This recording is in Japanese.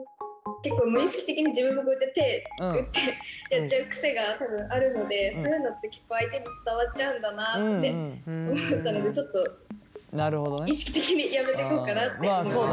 結構無意識的に自分もこうやって手をグッてやっちゃう癖が多分あるのでそういうのって結構相手に伝わっちゃうんだなって思ったのでちょっと意識的にやめていこうかなって思いました。